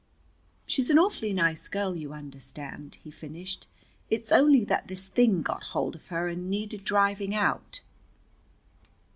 "She's an awfully nice girl, you understand," he finished. "It's only that this thing got hold of her and needed driving out."